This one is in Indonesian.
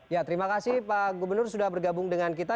ya terima kasih pak gubernur sudah bergabung dengan kita